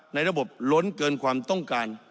ในระบบล้นเกินความต้องการ